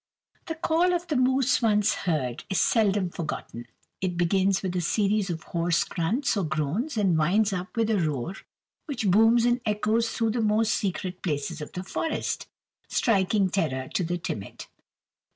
The call of the moose once heard, is seldom forgotten. It begins with a series of hoarse grunts or groans and winds up with a roar which booms and echoes through the most secret places of the forest, striking terror to the timid.